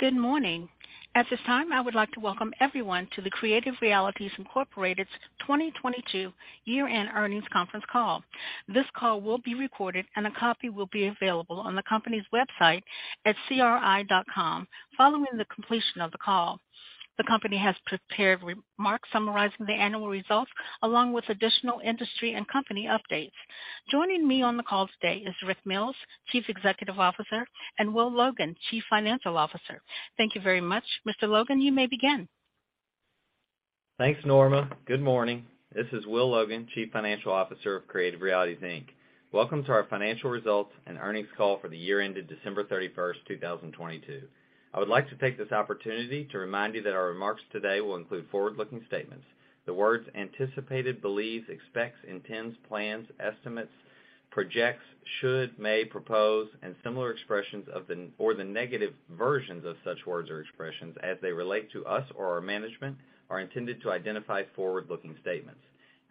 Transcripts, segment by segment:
Good morning. At this time, I would like to welcome everyone to the Creative Realities, Inc. 2022 year-end earnings conference call. This call will be recorded and a copy will be available on the company's website at cri.com following the completion of the call. The company has prepared remarks summarizing the annual results along with additional industry and company updates. Joining me on the call today is Rick Mills, Chief Executive Officer, and Will Logan, Chief Financial Officer. Thank you very much. Mr. Logan, you may begin. Thanks, Norma. Good morning. This is Will Logan, Chief Financial Officer of Creative Realities, Inc. Welcome to our financial results and earnings call for the year ended December 31st, 2022. I would like to take this opportunity to remind you that our remarks today will include forward-looking statements. The words anticipated, believes, expects, intends, plans, estimates, projects, should, may, propose, or the negative versions of such words or expressions as they relate to us or our management are intended to identify forward-looking statements.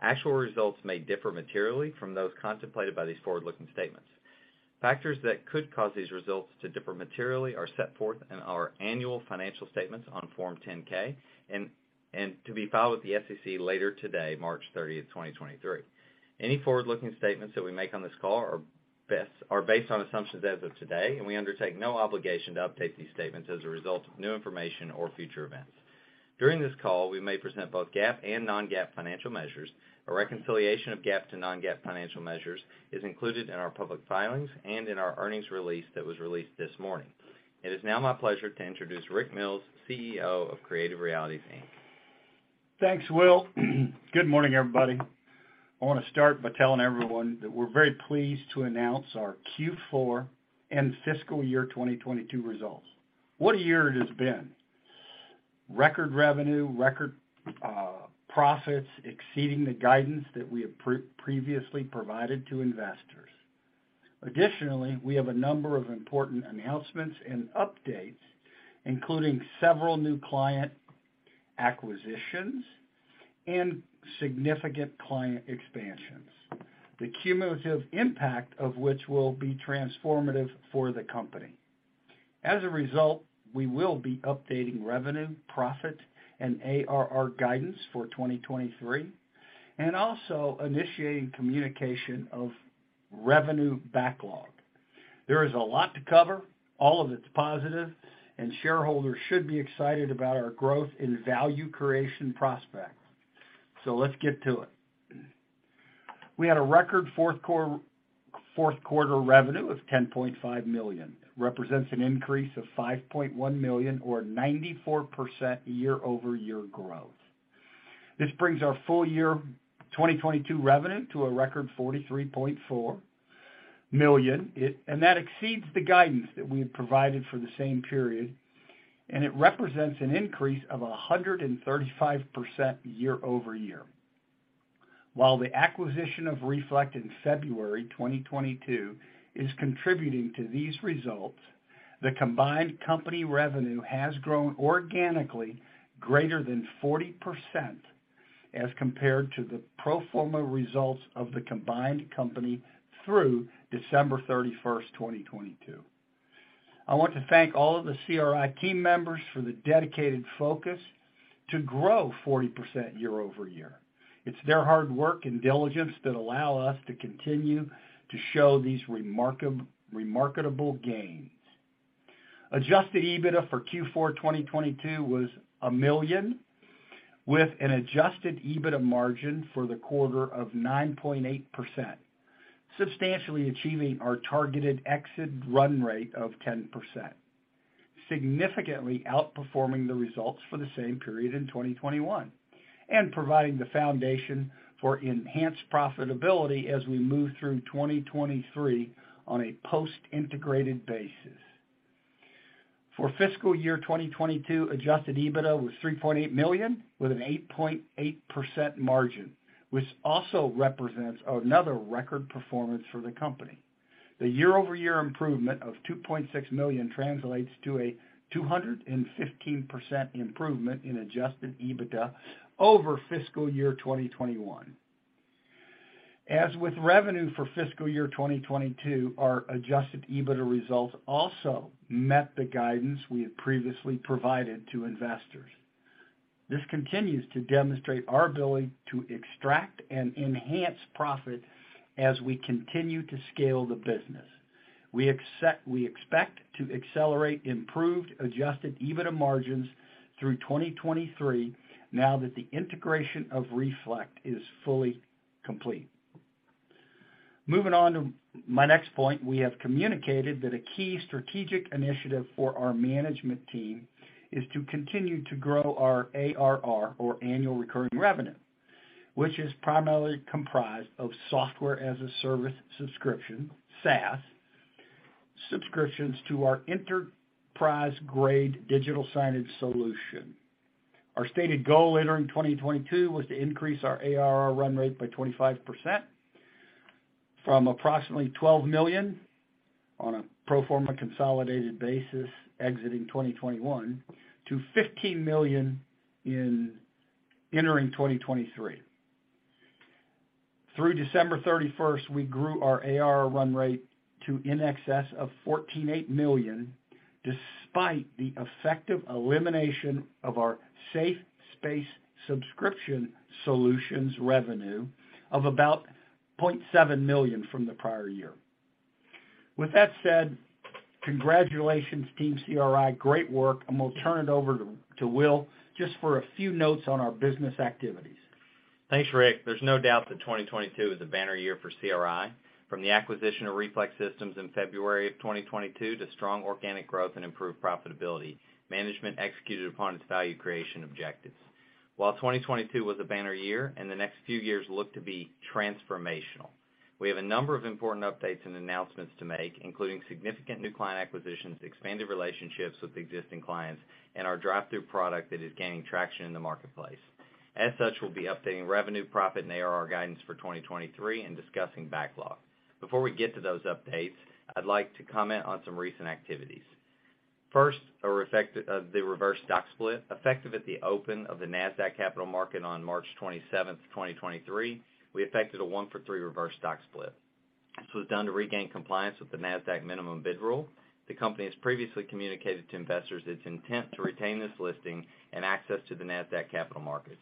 Actual results may differ materially from those contemplated by these forward-looking statements. Factors that could cause these results to differ materially are set forth in our annual financial statements on Form 10-K and to be filed with the SEC later today, March 30th, 2023. Any forward-looking statements that we make on this call are based on assumptions as of today. We undertake no obligation to update these statements as a result of new information or future events. During this call, we may present both GAAP and non-GAAP financial measures. A reconciliation of GAAP to non-GAAP financial measures is included in our public filings and in our earnings release that was released this morning. It is now my pleasure to introduce Rick Mills, CEO of Creative Realities, Inc. Thanks, Will. Good morning, everybody. I want to start by telling everyone that we're very pleased to announce our Q4 and fiscal year 2022 results. What a year it has been. Record revenue, record profits exceeding the guidance that we have previously provided to investors. Additionally, we have a number of important announcements and updates, including several new client acquisitions and significant client expansions. The cumulative impact of which will be transformative for the company. As a result, we will be updating revenue, profit, and ARR guidance for 2023 and also initiating communication of revenue backlog. There is a lot to cover, all of it's positive, and shareholders should be excited about our growth and value creation prospects. Let's get to it. We had a record fourth quarter revenue of $10.5 million. Represents an increase of $5.1 million or 94% year-over-year growth. This brings our full year 2022 revenue to a record $43.4 million. That exceeds the guidance that we had provided for the same period, and it represents an increase of 135% year-over-year. While the acquisition of Reflect in February 2022 is contributing to these results, the combined company revenue has grown organically greater than 40% as compared to the pro forma results of the combined company through December 31st, 2022. I want to thank all of the CRI team members for the dedicated focus to grow 40% year-over-year. It's their hard work and diligence that allow us to continue to show these remarkable gains. Adjusted EBITDA for Q4 2022 was $1 million, with an adjusted EBITDA margin for the quarter of 9.8%, substantially achieving our targeted exit run rate of 10%, significantly outperforming the results for the same period in 2021 and providing the foundation for enhanced profitability as we move through 2023 on a post-integrated basis. For fiscal year 2022, adjusted EBITDA was $3.8 million, with an 8.8% margin, which also represents another record performance for the company. The year-over-year improvement of $2.6 million translates to a 215% improvement in adjusted EBITDA over fiscal year 2021. As with revenue for fiscal year 2022, our adjusted EBITDA results also met the guidance we had previously provided to investors. This continues to demonstrate our ability to extract and enhance profit as we continue to scale the business. We expect to accelerate improved adjusted EBITDA margins through 2023 now that the integration of Reflect is fully complete. Moving on to my next point, we have communicated that a key strategic initiative for our management team is to continue to grow our ARR or annual recurring revenue, which is primarily comprised of software as a service subscription, SaaS, subscriptions to our enterprise-grade digital signage solution. Our stated goal entering 2022 was to increase our ARR run rate by 25% from approximately $12 million on a pro forma consolidated basis exiting 2021 to $15 million in entering 2023. Through December 31st, we grew our ARR run rate to in excess of $14.8 million, despite the effective elimination of our Safe-Space subscription solutions revenue of about $0.7 million from the prior year. With that said, congratulations, Team CRI. Great work. We'll turn it over to Will just for a few notes on our business activities. Thanks, Rick. There's no doubt that 2022 is a banner year for CRI. From the acquisition of Reflect Systems in February of 2022 to strong organic growth and improved profitability, management executed upon its value creation objectives. While 2022 was a banner year and the next few years look to be transformational, we have a number of important updates and announcements to make, including significant new client acquisitions, expanded relationships with existing clients, and our drive-thru product that is gaining traction in the marketplace. As such, we'll be updating revenue, profit, and ARR guidance for 2023 and discussing backlog. Before we get to those updates, I'd like to comment on some recent activities. First, a reflected of the reverse stock split. Effective at the open of the Nasdaq Capital Market on March 27, 2023, we affected a one for three reverse stock split. This was done to regain compliance with the Nasdaq minimum bid rule. The company has previously communicated to investors its intent to retain this listing and access to the Nasdaq Capital Market.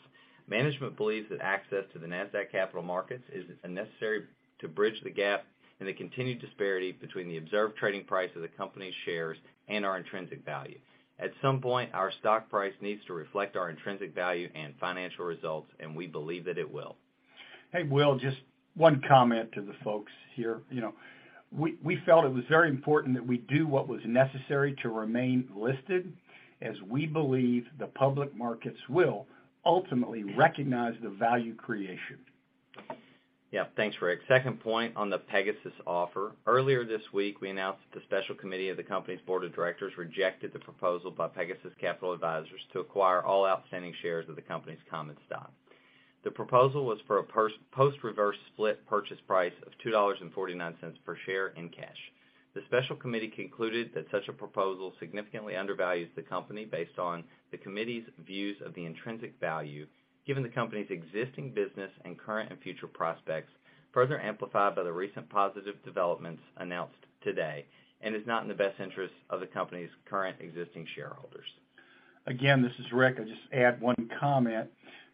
Management believes that access to the Nasdaq Capital Market is necessary to bridge the gap in the continued disparity between the observed trading price of the company's shares and our intrinsic value. At some point, our stock price needs to reflect our intrinsic value and financial results, and we believe that it will. Hey, Will, just one comment to the folks here. You know, we felt it was very important that we do what was necessary to remain listed as we believe the public markets will ultimately recognize the value creation. Yeah. Thanks, Rick. Second point on the Pegasus offer. Earlier this week, we announced that the special committee of the company's board of directors rejected the proposal by Pegasus Capital Advisors to acquire all outstanding shares of the company's common stock. The proposal was for a post-reverse split purchase price of $2.49 per share in cash. The special committee concluded that such a proposal significantly undervalues the company based on the committee's views of the intrinsic value, given the company's existing business and current and future prospects, further amplified by the recent positive developments announced today, and is not in the best interest of the company's current existing shareholders. This is Rick. I'll just add one comment.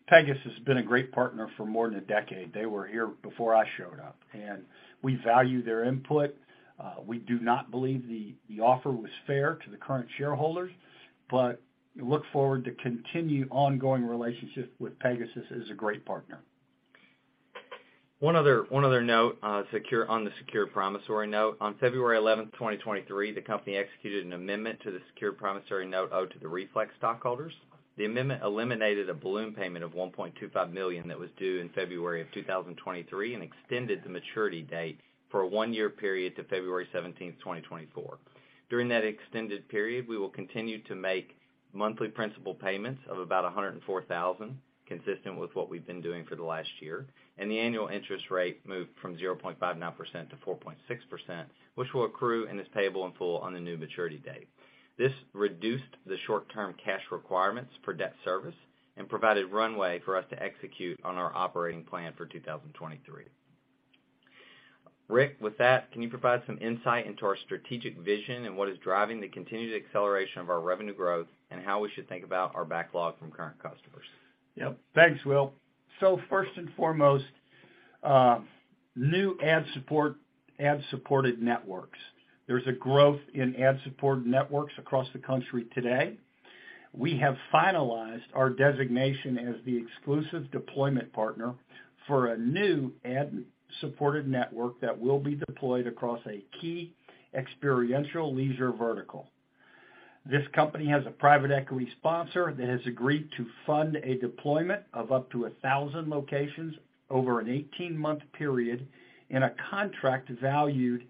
Pegasus has been a great partner for more than a decade. They were here before I showed up, and we value their input. We do not believe the offer was fair to the current shareholders. Look forward to continued ongoing relationship with Pegasus as a great partner. One other note on the secure promissory note. On February 11, 2023, the company executed an amendment to the secure promissory note owed to the Reflect stockholders. The amendment eliminated a balloon payment of $1.25 million that was due in February 2023 and extended the maturity date for a one-year period to February 17, 2024. During that extended period, we will continue to make monthly principal payments of about $104,000, consistent with what we've been doing for the last year, and the annual interest rate moved from 0.59% to 4.6%, which will accrue and is payable in full on the new maturity date. This reduced the short-term cash requirements for debt service and provided runway for us to execute on our operating plan for 2023. Rick, with that, can you provide some insight into our strategic vision and what is driving the continued acceleration of our revenue growth and how we should think about our backlog from current customers? Yep. Thanks, Will. First and foremost, new ad support, ad-supported networks. There's a growth in ad-supported networks across the country today. We have finalized our designation as the exclusive deployment partner for a new ad-supported network that will be deployed across a key experiential leisure vertical. This company has a private equity sponsor that has agreed to fund a deployment of up to 1,000 locations over an 18-month period and a contract valued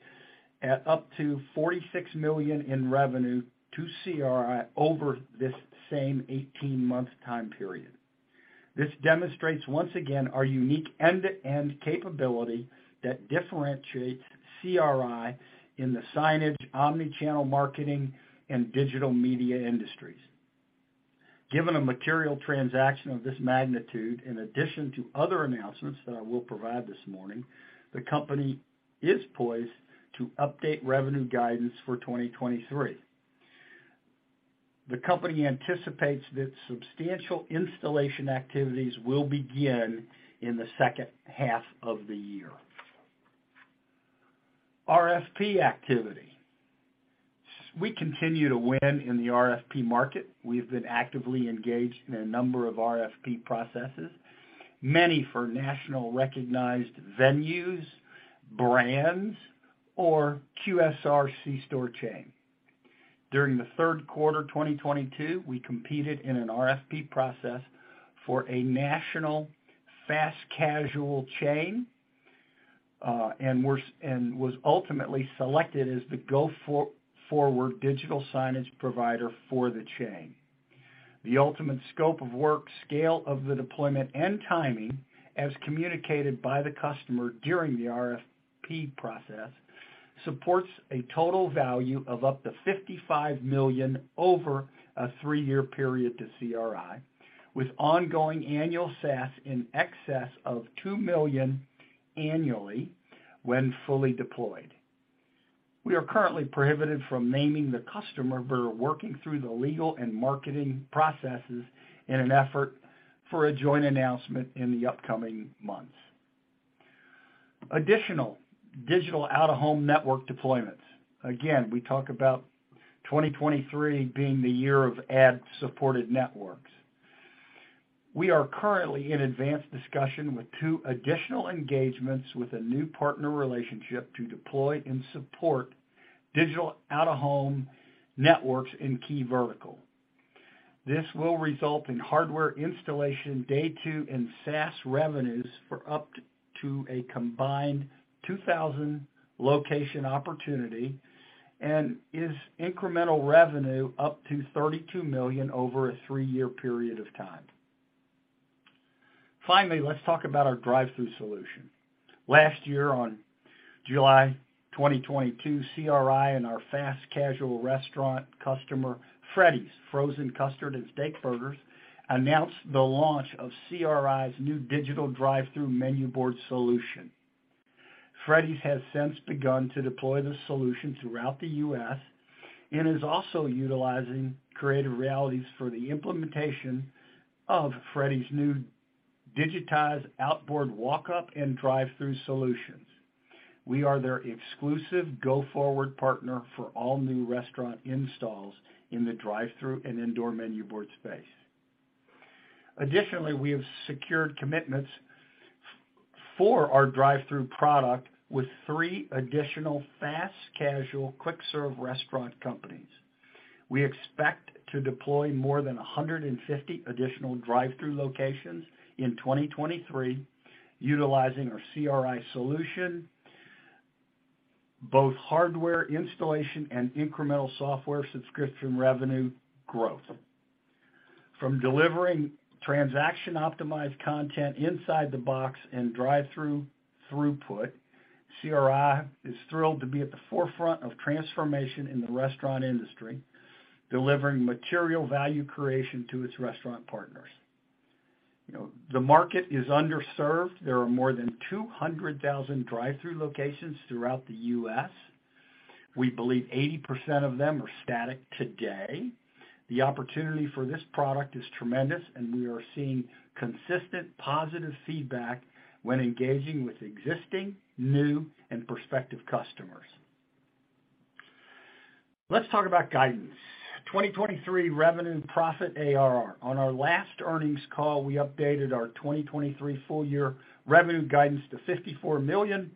at up to $46 million in revenue to CRI over this same 18-month time period. This demonstrates, once again, our unique end-to-end capability that differentiates CRI in the signage, omni-channel marketing, and digital media industries. Given a material transaction of this magnitude, in addition to other announcements that I will provide this morning, the company is poised to update revenue guidance for 2023. The company anticipates that substantial installation activities will begin in the second half of the year. RFP activity. We continue to win in the RFP market. We've been actively engaged in a number of RFP processes, many for national recognized venues, brands, or QSR C-store chain. During the third quarter 2022, we competed in an RFP process for a national fast casual chain, and was ultimately selected as the go for-forward digital signage provider for the chain. The ultimate scope of work, scale of the deployment, and timing, as communicated by the customer during the RFP process supports a total value of up to $55 million over a three year period to CRI, with ongoing annual SaaS in excess of $2 million annually when fully deployed. We are currently prohibited from naming the customer, are working through the legal and marketing processes in an effort for a joint announcement in the upcoming months. Additional digital out-of-home network deployments. We talk about 2023 being the year of ad-supported networks. We are currently in advanced discussion with two additional engagements with a new partner relationship to deploy and support digital out-of-home networks in key vertical. This will result in hardware installation, day two and SaaS revenues for up to a combined 2,000 location opportunity and is incremental revenue up to $32 million over a three year period of time. Let's talk about our drive-thru solution. Last year on July 2022, CRI and our fast casual restaurant customer, Freddy's Frozen Custard & Steakburgers, announced the launch of CRI's new digital drive-thru menu board solution. Freddy's has since begun to deploy the solution throughout the US and is also utilizing Creative Realities for the implementation of Freddy's new digitized outboard walk-up and drive-thru solutions. We are their exclusive go-forward partner for all new restaurant installs in the drive-thru and indoor menu board space. We have secured commitments for our drive-thru product with three additional fast casual quick serve restaurant companies. We expect to deploy more than 150 additional drive-thru locations in 2023 utilizing our CRI solution, both hardware installation and incremental software subscription revenue growth. From delivering transaction-optimized content inside the box and drive-thru throughput, CRI is thrilled to be at the forefront of transformation in the restaurant industry, delivering material value creation to its restaurant partners. You know, the market is underserved. There are more than 200,000 drive-thru locations throughout the US. We believe 80% of them are static today. The opportunity for this product is tremendous, and we are seeing consistent positive feedback when engaging with existing, new and prospective customers. Let's talk about guidance. 2023 revenue and profit ARR. On our last earnings call, we updated our 2023 full year revenue guidance to $54 million,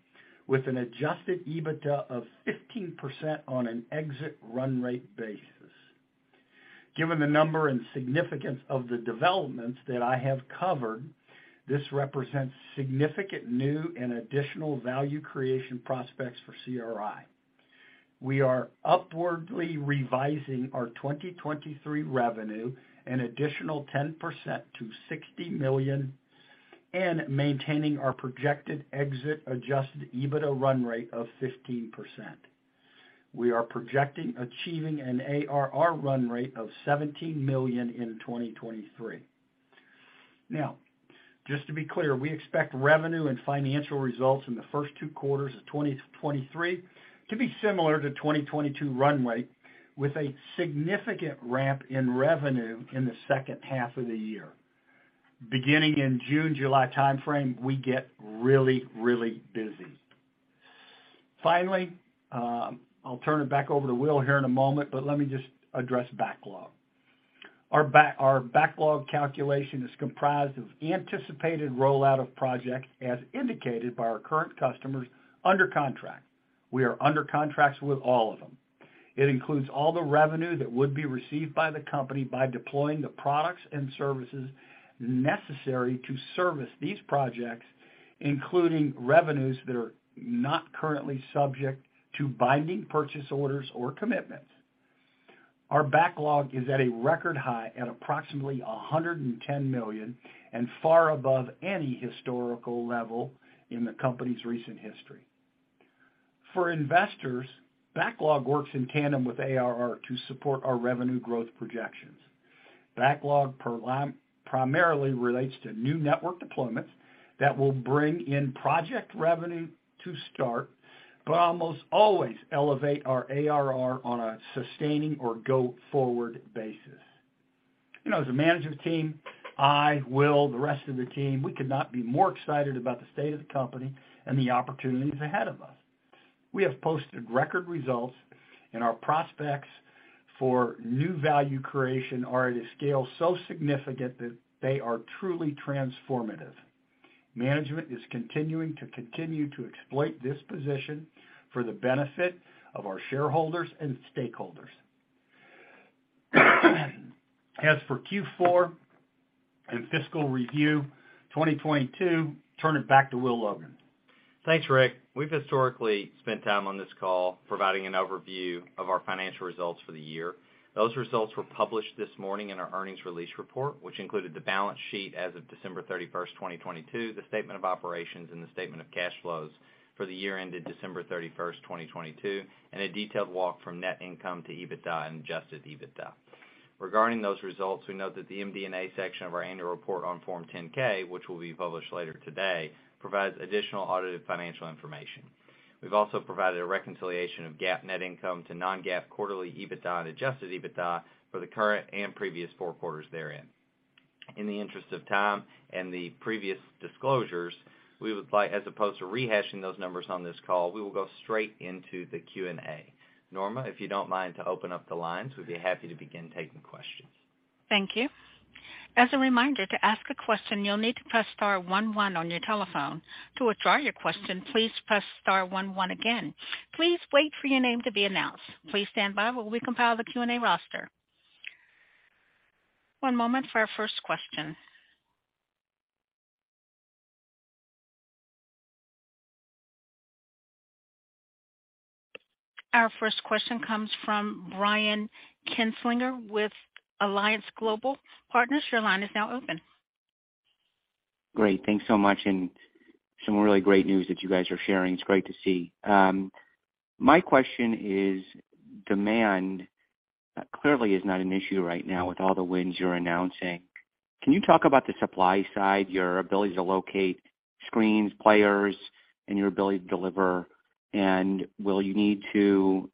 with an adjusted EBITDA of 15% on an exit run rate basis. Given the number and significance of the developments that I have covered, this represents significant new and additional value creation prospects for CRI. We are upwardly revising our 2023 revenue an additional 10% to $60 million and maintaining our projected exit adjusted EBITDA run rate of 15%. We are projecting achieving an ARR run rate of $17 million in 2023. Just to be clear, we expect revenue and financial results in the first two quarters of 2023 to be similar to 2022 run rate, with a significant ramp in revenue in the second half of the year. Beginning in June, July timeframe, we get really, really busy. I'll turn it back over to Will here in a moment, but let me just address backlog. Our backlog calculation is comprised of anticipated rollout of projects as indicated by our current customers under contract. We are under contracts with all of them. It includes all the revenue that would be received by the company by deploying the products and services necessary to service these projects, including revenues that are not currently subject to binding purchase orders or commitments. Our backlog is at a record high at approximately $110 million and far above any historical level in the company's recent history. For investors, backlog works in tandem with ARR to support our revenue growth projections. Backlog primarily relates to new network deployments that will bring in project revenue to start, but almost always elevate our ARR on a sustaining or go-forward basis. You know, as a management team, I, Will, the rest of the team, we could not be more excited about the state of the company and the opportunities ahead of us. We have posted record results, and our prospects for new value creation are at a scale so significant that they are truly transformative. Management is continuing to exploit this position for the benefit of our shareholders and stakeholders. As for Q4 and fiscal review 2022, turn it back to Will Logan. Thanks, Rick. We've historically spent time on this call providing an overview of our financial results for the year. Those results were published this morning in our earnings release report, which included the balance sheet as of December 31st, 2022, the statement of operations, and the statement of cash flows for the year ended December 31st, 2022, and a detailed walk from net income to EBITDA and adjusted EBITDA. Regarding those results, we note that the MD&A section of our annual report on Form 10-K, which will be published later today, provides additional audited financial information. We've also provided a reconciliation of GAAP net income to non-GAAP quarterly EBITDA and adjusted EBITDA for the current and previous four quarters therein. In the interest of time and the previous disclosures, we would like, as opposed to rehashing those numbers on this call, we will go straight into the Q&A. Norma, if you don't mind to open up the lines, we'd be happy to begin taking questions. Thank you. As a reminder, to ask a question, you'll need to press star one one on your telephone. To withdraw your question, please press star one one again. Please wait for your name to be announced. Please stand by while we compile the Q&A roster. One moment for our first question. Our first question comes from Brian Kinstlinger with Alliance Global Partners. Your line is now open. Great. Thanks so much. Some really great news that you guys are sharing. It's great to see. My question is, demand clearly is not an issue right now with all the wins you're announcing. Can you talk about the supply side, your ability to locate screens, players, and your ability to deliver? Will you need to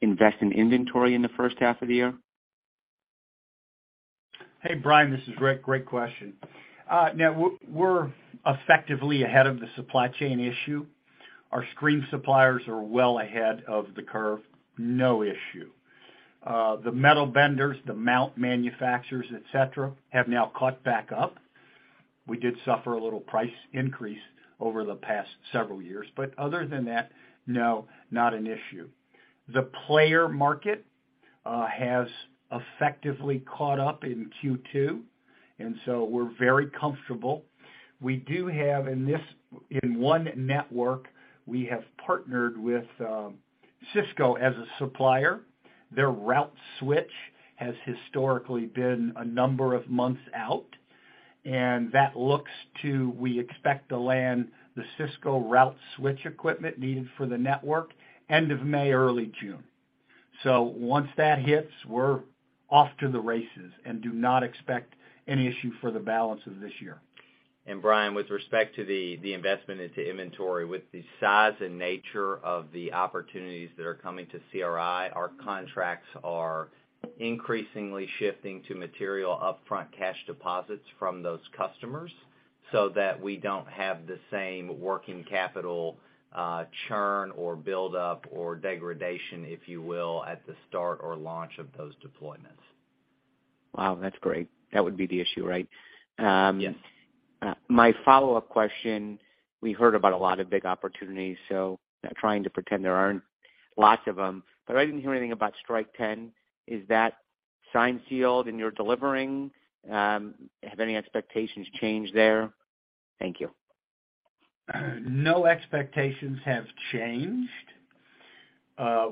invest in inventory in the first half of the year? Hey, Brian, this is Rick. Great question. Now we're effectively ahead of the supply chain issue. Our screen suppliers are well ahead of the curve, no issue. The metal benders, the mount manufacturers, et cetera, have now caught back up. We did suffer a little price increase over the past several years, but other than that, no, not an issue. The player market has effectively caught up in Q2. We're very comfortable. We do have in one network, we have partnered with Cisco as a supplier. Their route switch has historically been a number of months out. We expect to land the Cisco route switch equipment needed for the network end of May, early June. Once that hits, we're off to the races and do not expect any issue for the balance of this year. Brian, with respect to the investment into inventory, with the size and nature of the opportunities that are coming to CRI, our contracts are increasingly shifting to material upfront cash deposits from those customers so that we don't have the same working capital churn or buildup or degradation, if you will, at the start or launch of those deployments. Wow. That's great. That would be the issue, right? Yes. My follow-up question, we heard about a lot of big opportunities, so not trying to pretend there aren't lots of them, but I didn't hear anything about Strike Ten. Is that signed, sealed, and you're delivering? Have any expectations changed there? Thank you. No expectations have changed.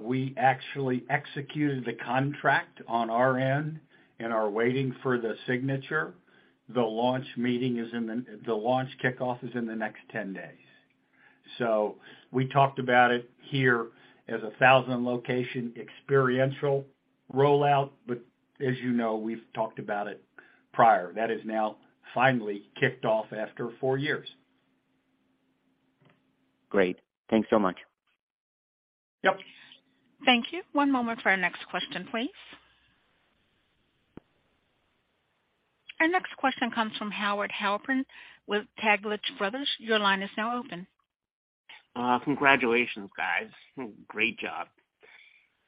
We actually executed the contract on our end and are waiting for the signature. The launch kickoff is in the next 10 days. We talked about it here as a 1,000-location experiential rollout, but as you know, we've talked about it prior. That is now finally kicked off after four years. Great. Thanks so much. Yep. Thank you. One moment for our next question, please. Our next question comes from Howard Halpern with Taglich Brothers. Your line is now open. Congratulations, guys. Great job.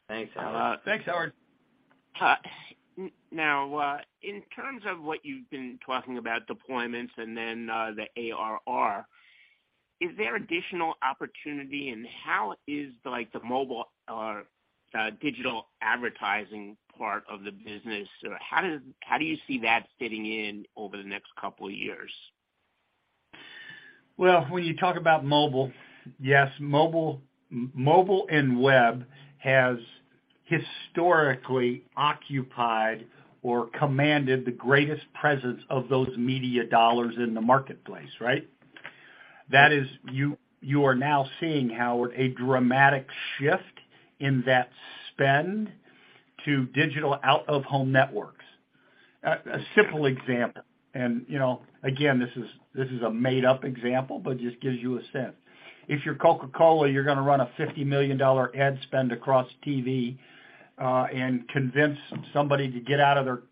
Thanks, Howard. Thanks, Howard. In terms of what you've been talking about deployments and then, the ARR, is there additional opportunity and how is like the mobile or digital advertising part of the business? How do you see that fitting in over the next couple of years? When you talk about mobile, yes, mobile and web has historically occupied or commanded the greatest presence of those media dollars in the marketplace, right? You are now seeing, Howard, a dramatic shift in that spend to digital out-of-home networks. A simple example, and you know, again, this is a made-up example, but just gives you a sense. If you're Coca-Cola, you're gonna run a $50 million ad spend across TV and convince somebody to get out of their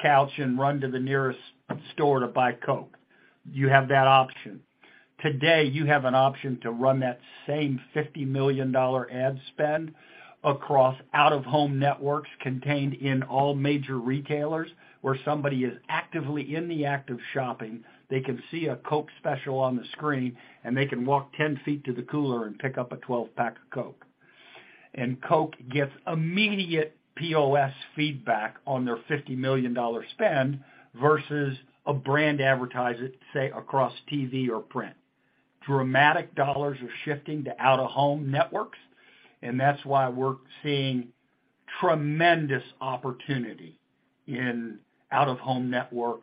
couch and run to the nearest store to buy Coke. You have that option. Today, you have an option to run that same $50 million ad spend across out-of-home networks contained in all major retailers, where somebody is actively in the act of shopping. They can see a Coke special on the screen, and they can walk 10 feet to the cooler and pick up a 12-pack of Coke. Coke gets immediate POS feedback on their $50 million spend versus a brand advertiser, say, across TV or print. Dramatic dollars are shifting to out-of-home networks, and that's why we're seeing tremendous opportunity in out-of-home network.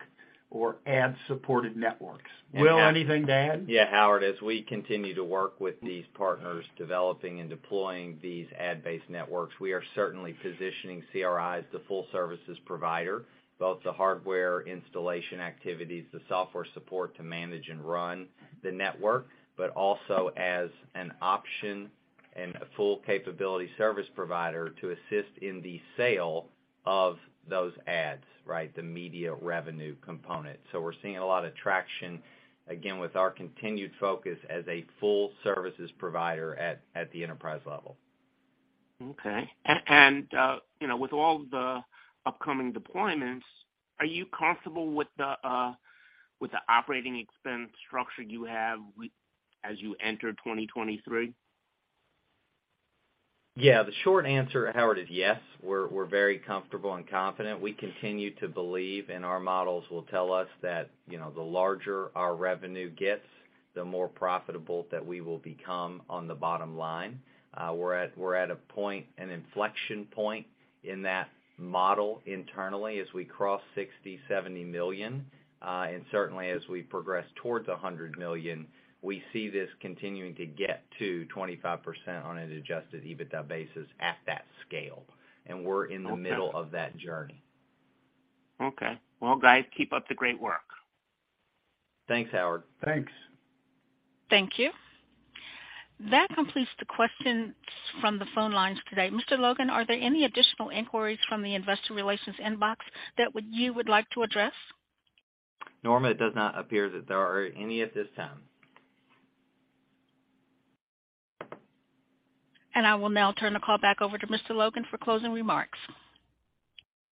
Ad supported networks. Will, anything to add? Yeah, Howard, as we continue to work with these partners, developing and deploying these ad-based networks, we are certainly positioning CRI as the full services provider, both the hardware installation activities, the software support to manage and run the network, but also as an option and a full capability service provider to assist in the sale of those ads, right? The media revenue component. We're seeing a lot of traction, again, with our continued focus as a full services provider at the enterprise level. Okay. you know, with all the upcoming deployments, are you comfortable with the operating expense structure you have as you enter 2023? Yeah, the short answer, Howard, is yes, we're very comfortable and confident. We continue to believe, and our models will tell us that, you know, the larger our revenue gets, the more profitable that we will become on the bottom line. We're at a point, an inflection point in that model internally as we cross $60 million, $70 million, and certainly as we progress towards $100 million, we see this continuing to get to 25% on an adjusted EBITDA basis at that scale, and we're in the middle. Okay. of that journey. Okay. Well, guys, keep up the great work. Thanks, Howard. Thanks. Thank you. That completes the questions from the phone lines today. Mr. Logan, are there any additional inquiries from the investor relations inbox that you would like to address? Norma, it does not appear that there are any at this time. I will now turn the call back over to Mr. Logan for closing remarks.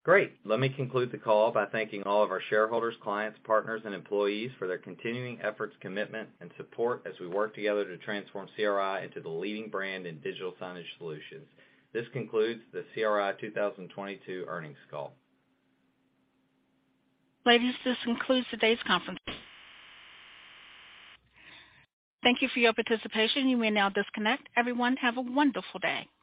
Great. Let me conclude the call by thanking all of our shareholders, clients, partners, and employees for their continuing efforts, commitment, and support as we work together to transform CRI into the leading brand in digital signage solutions. This concludes the CRI 2022 earnings call. Ladies, this concludes today's conference. Thank you for your participation. You may now disconnect. Everyone, have a wonderful day.